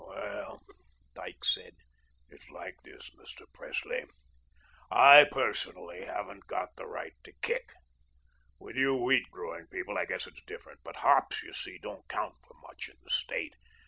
"Well," Dyke said, "it's like this, Mr. Presley. I, personally, haven't got the right to kick. With you wheat growing people I guess it's different, but hops, you see, don't count for much in the State.